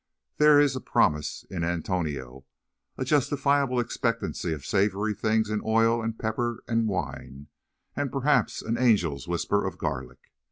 There is a promise in "Antonio"; a justifiable expectancy of savoury things in oil and pepper and wine, and perhaps an angel's whisper of garlic.